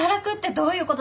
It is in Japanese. どういうこと？